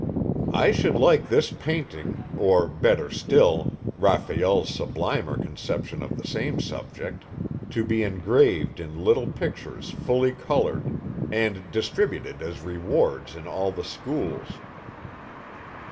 "I should like this painting, or, better still, Raphael's sublimer conception of the same subject, to be engraved in little pictures fully coloured, and distributed as rewards in all the schools."